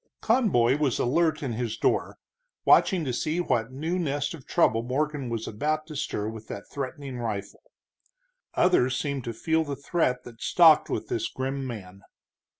Conboy was alert in his door, watching to see what new nest of trouble Morgan was about to stir with that threatening rifle. Others seemed to feel the threat that stalked with this grim man.